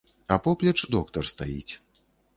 А поплеч доктар стаіць.